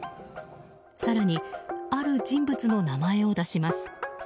更に、ある人物の名前を出します。